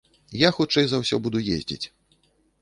Я хутчэй за ўсё буду ездзіць.